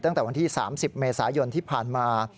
ตั้งแต่วันที่๓๐เมษายนที่ผ่านมา